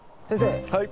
先生。